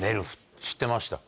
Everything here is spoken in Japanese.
知ってました？